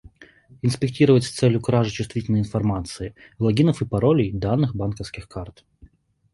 Инспектировать с целью кражи чувствительной информации: логинов и паролей, данных банковских карт